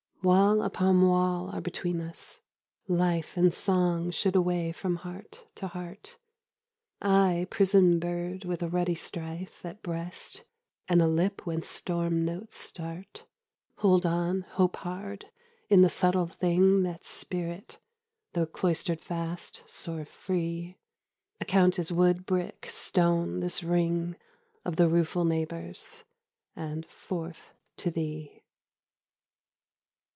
Wall upon wall are between us: life And song should away from heart to heart! I prison bird, with a ruddy strife At breast, and a lip whence storm notes start 20 Hold on, hope hard in the subtle thing That's spirit: tho' cloistered fast, soar free; Account as wood, brick, stone, this ring Of the rueful neighbours, and forth to thee!